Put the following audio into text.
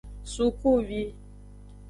Sukuvi.